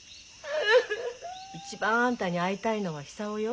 一番あんたに会いたいのは久男よ。